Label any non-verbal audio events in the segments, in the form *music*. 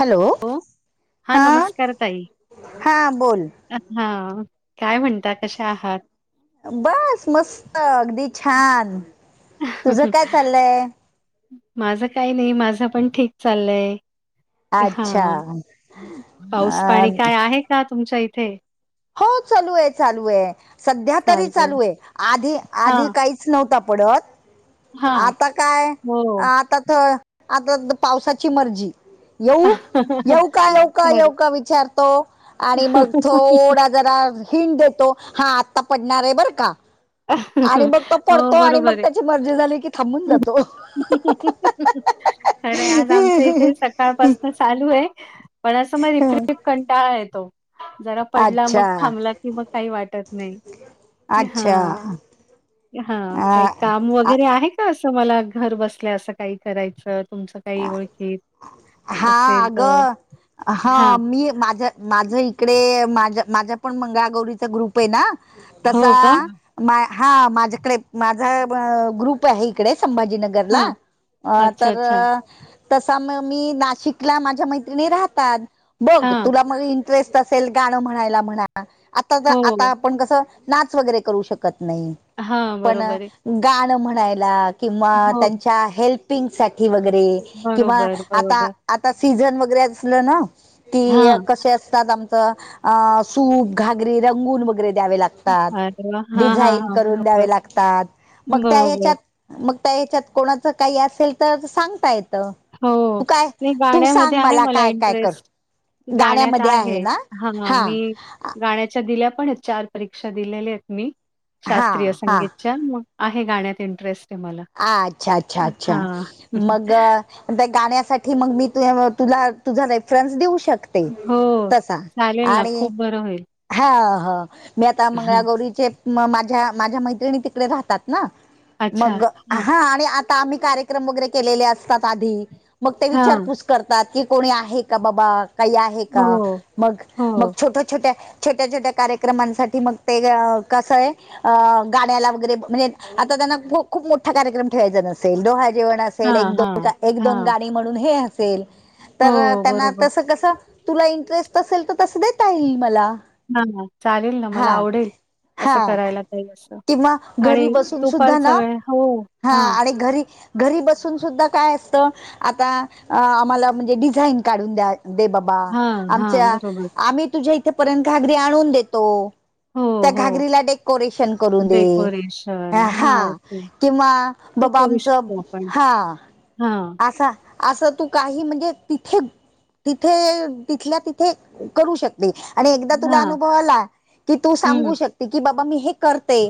Hello. हो. हां हां बोल. हा. काय म्हणता? कशा आहात? बस मस्त. अगदी छान. तुझ काय चाललंय? माझं काही नाही. माझं पण ठीक चाललंय. अच्छा ह. अ पाऊस पाणी काय, आहे का तुमच्या इथे? हो चालूये चालूये. सध्या तरी चालतंय. चालूये. आधी आधी हां, काहीच नव्हता पडत. हां. आता काय? हो. आता त पावसाची मर्जी. येऊ, येऊ का? येऊ का? येव खरं. का? विचारतो आणि मग थोडा जरा हिण देतो. हा आता पडणारे बर का. आणि मग तो हो, पडतो. आणि मग बरोबर आहे. त्याची मर्जी झाली की थांबून जातो. सकाळपासन चालूये. पण अस म र कंटाळा येतो. जरा पडला. मग अच्छा थांबला. की मग काही वाटत नाही. अच्छा हा. हा. काही काम अ वगैरे आहे. असं, मला घर बसल्या असं, काही करायचं तुमचं. काही ओळखीत हा असेल अग तर? हा हां. मी माझ्या माझ इकडे माझ माझ्या पण मंगळागौरीचा ग्रुप आहे ना हो तसा का? मा हा माझ्याकडे माझा ग्रुप आहे इकडे संभाजीनगर *unintelligible* रला हां. अच्छा, तर अच्छा. तसा म मी नाशिकला माझ्या मैत्रिणी राहतात बघ हां. तुला? इंटरेस्ट असेल गाणं म्हणायला म्हणा आता आता हो. आपण कसं नाच वगैरे करू शकत नाही हां, पण बरोबर आहे. गाण म्हणायला. किंवा हो. त्यांच्या हेल्पिंग साठी वगैरे किंवा बरोबर, आता बरोबर. आता सीझन वगैरे असलं ना कि हां. कसे असतात आमचं. अ सूप घागरी रंगून वगैरे द्यावे लागत. तात अरे वाह! हां, हां, डिझाईन हां. करून द्यावे बरोबर, लागतात मग त्या बरोबर. ह्याच्यात. मग त्या ह्याच्यात कोणाचं काही असेल तर सांगता येतं. हो तू काय नाही तू गाण्यामध्ये सांग आहे मला काय काय कर इंटरेस्ट गाण्यात गाण्यामध्ये आहे ना हा मी गाण्याच्या दिल्या पण चार परीक्षा दिलेल्या आहेत मी हा शास्त्रीय हा संगीतच्या मग आहे गाण्यात इंटरेस्ट आहे मला. अ अच्छा अ, अच्छा अच्छा हां. मग त्या गाण्यासाठी मग मी त तुला तुझा रेफरन्स देऊ शकते. ते हो, तसा चालेल ना, आणि खूप बरं होईल. हा हा मी आता हां. मंगळागौरीचे म माझ्या माझ्या मैत्रिणी तिकडे राहतात ना अच्छा. मग हां, हा आता आम्ही कार्यक्रम वगैरे केलेले असतात आधी मग ते विचार हां. पुस. करतात की कोणी आहे का बाबा काही आहे हो, का मग मग हो. छोट्या छोट्या. छोट्या छोट्या कार्यक्रमांसाठी मग ते कसं आहे. अ गाड्याला वगैरे म्हणजे आता त्यांना खूप मोठ. मोठा कार्यक्रम ठेवायचा नसेल डोहाळे जेवण असेल हां, एक दोन हां, एक दोन हां. गाणी म्हणून हे असेल. हो, तर त्यांना बरोबर. तस कस तुला इंटरेस्ट असेल तर तस देता येईल मला ह ह चालेल ना मला हा आवडेल हा असं करायला काही असं. किंवा घरी आणि बसून सुद्धा दुपारचा ना वेळ हो. हा हां, आणि घरी घरी बसून सुद्धा काय असतं आता आम्हाला म्हणजे डिझाईन काढून द्या दे बाबा हां, हां. आमच्या बरोबर. आम्ही तुझ्या इथे पर्यंत घगरी आणून देतो. हो, त्या हो. घागरीला डेकोरेशन करून दे डेकोरेशन. हां, हा. ओके. किंवा ते बाबा करू आमचं शकतो आपण. हा हां, असा. असं तू काही म्हणजे तिथे तिथे तिथल्या तिथे करू शक. आणि एकदा तुला हां. अनुभवला की तू हं. सांगू शकते की बाबा मी हे करते.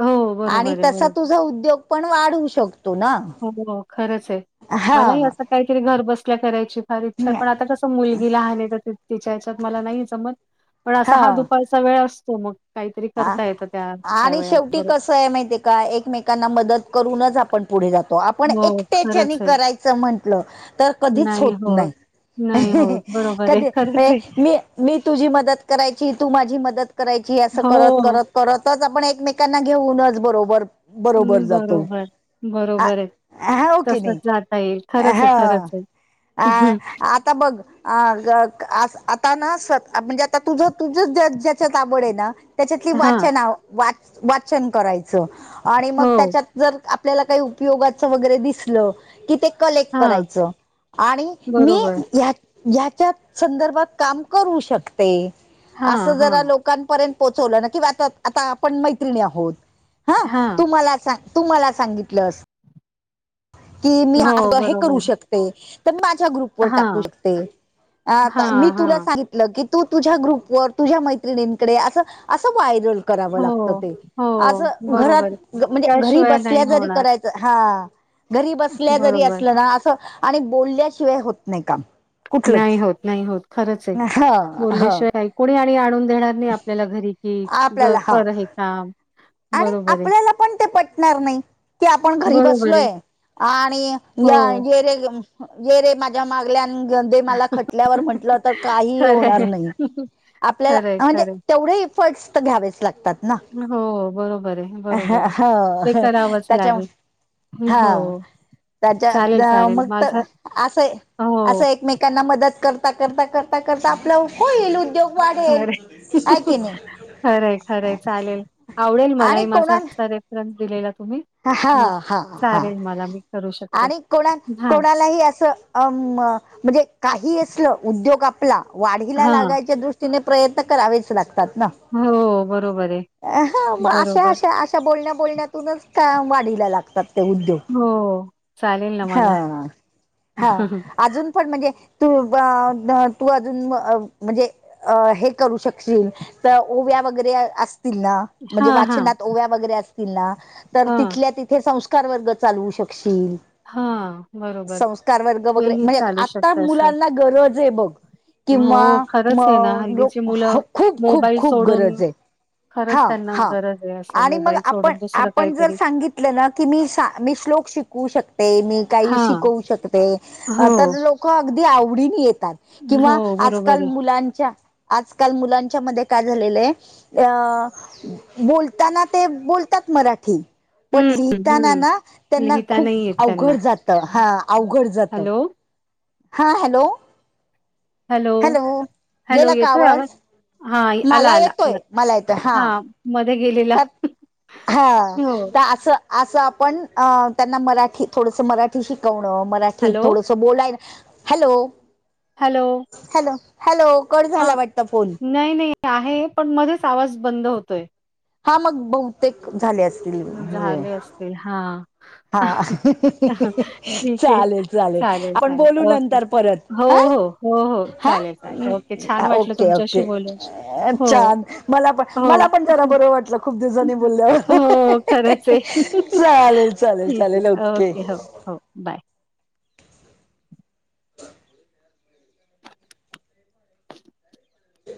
हो, आणि बरोबर आहे, तसा बरोबर. तुझ उद्योग पण वाढवू शकतो ना. हो, हो खरंच आहे मलाही हा असं काहीतरी घर बसल्या करायची फार इच्छा आहे पण आता कस? मुलगी लहान तिच्या ह्याच्यात मला नाही जमत पण असा हा दुपारचा वेळ असतो मग काहीतरी आ करता येत त्या त्या आणि वेळ शेवटी बरोबर. कसं आहे माहिती का एकमेकांना मदत करूनच आपण पुढे जातो आपण हो, एकट्याच्यानी खरंच आहे. करायचं म्हंटलं तर कधीच होत नाही. नाही होत. बरोबर आहे. कधी खरंच आहे. मी मी तुझी मदत करायची तू माझी मदत करायची असं करत हो. करत. परतच आपण एकमेकांना घेऊनच बरोबर. बरोबर हम्म जातो बरोबर बरोबर *unintelligible* हा हो की तसच नाही जात येईल खरंच आहे हा खरंच आहे. अ आता बघ. अ आता ना म्हणजे आता तुझ तुझ ज्याच्यात आवड ए ना. त्याच्यातली हां. वाचना वाच वाचन करायचं आणि मग हो. त्याच्यात. जर आपल्याला काही उपयोगाच वगैरे दिसलं की ते कलेक्ट हां. करायचं आणि मी बरोबर. ह ह्याच्या संदर्भात काम करू शकते अस हां, हां. जरा लोकांपर्यंत पो किं आता आपण मैत्रिणी आहोत ह हां. तुम्हाला सांग तू मला सांगितलंस की मी हो, आग हे करू बरोबर. शक माझ्या ग्रुप व टाकू हां. शकते मी हां, हां. तुला सांग की तू तुझ्या ग्रुप वर तुझ्या मैत्रिणींकडे असं असं व्हायरल करा हो, लाग अस हो, घात बरोबर. म्हणजे घरी त्याशिवाय नाही बसल्या जरी होणार. करा हा घरी बसल्या जरी बरोबर. असलं ना असं आणि बोलल्याशिवाय होत नाही काम नाही कुठलंच होत नाही होत खरंच आहे ह ह बोलल्याशिवाय ऐ कोणी आणि आणून देणार नाही आपल्याला घरी कि आपल्याला हा कर हे काम आणि बरोबर आहे, आपल्याला पण ते पटणार नाही की आपण घरी बरोबर आहे. बसलोय आणि हो. जेरे जेरे मा मा मागल्याे मला खटल्यावर म्हंटलं तर काही ही खरं होणार आहे. नाही आपल्याला खरं आहे, म्हणजे खरं तेवढे इफर्ट्स तर घ्यावेच लागतात ना आहे. हो बरोबर आहे ह बरोबर आहे. ते ह करावंच त्याच्या लागेल. हा हो, चालेल, त्याच्या चालेल. मग तर माझा असं असं हो, एकमेक त्यांना मदत करता करता करता करता आपलं होईल उद्योग वाढेल आहे की नाही खरं खरं चालेल आवडेल आणि मलाही माझा असचा कोणाला रेफरन्स दिलेला तुम्ही हा मग हा हा चालेल मला, मी करू शकते. आणि कोणा हां, कोणालाही असं अ म्हणजे काही असलं उद्योग आपला वाढीला हां. लागायच्या दृष्टी प्रयन कराच लागतात हो, बरोबर आहे. मग अशा बरोबर. आशा बोलण्या बोलण्यातूनच का वाढीला लागतात ते उद्योग हो चालेल ना हा मला. हा अजून पण म्हणजे तू तू अजून म्हणजे अ हे करू शकशील तर ओव्या वगैरे असतील ना म्हणजे हां, हां. वाचनात ओव्या वगैरे असतील ना हां, तिथल्या तिथे सं कार वर्ग चालवू शकशील हा संस्कार वर्ग वगैरे म्हणजे आता शकतं असं. मुलांना गरज आहे बघ किंवा हो, म खरंच आहे ना, लो हल्लीची मुलं खूप खूप मोबाईल खूप सोडून गरज आहे खरंच हा त्यांना हा गरज आहे असं आणि मग मोबाईल आपण सोडून दुसरं आपण जर काहीतरी सांगित ल म्हटलं ना की मी मी श्लोक शिकू शकते मी काही हां. शिकवू शकते हो, तर लोक अगदी आवडीने येतात किंवा हो. आजकाल बरोबर आहे. मुलांच्या आजकाल मुलांच्या मध्ये काय झालेलंय आहे अ बोलताना ते बोलतात मराठी पण हं, लिहिताना हं. ना त्यांना लिहिता खूप नाही येत त्यांना. अवघड जात हा अवघड जात हॅलो, हा हॅलो हॅलो हॅलो गेला का येतोय आवाज हा आला, मला आला, आला. येतोय मला येतोय हा हां, मध्ये गेले तर हा तर असं असं आपण अ त्यांना मराठी थोडस मराठी शिकवणं मराठीत हॅलो, थोडस सो बोलाय hello hello hello hello cut हां. झाला वाटत फोन नाही नाही आहे पण मध्येच आवाज बंद होतोय हा मग बहुतेक झाले अस झाले असतील हा. हा ठीक आहे चालेल चालेल आपण चालेल बोलू ओके. नंतर हो परत हा हो हो हो. हा चालेल, चालेल. ओके. छान वाटलं ओके तुमच्याशी ओके बोलून. हो, छान मला पण हो. मला पण त्यारा बरं वाटलं खूप दिवसांनी बोलल्यावर हो खरच आहे चालेल चालेल ठीक चालेल आहे ओके हो हो बाय. ह.